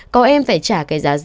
có em phải trả cái giá giá